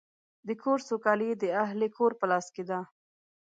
د کور سوکالي د اهلِ کور په لاس کې ده.